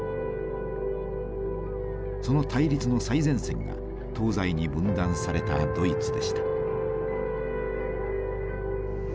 その対立の最前線が東西に分断されたドイツでした。